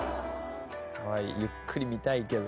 ウエンツ：ゆっくり見たいけど。